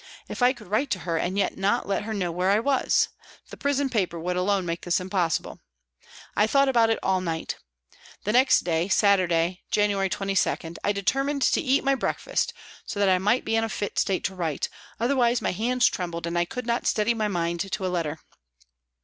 If I could write to her and yet not let her know where I was ! The prison paper would alone make this impossible. I thought about it all night. The next day, Saturday, January 22, I determined to eat my breakfast so that I might be in a fit state to write, otherwise my hands trembled and I could not steady my mind to a letter.